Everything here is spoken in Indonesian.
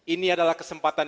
ini adalah kesempatan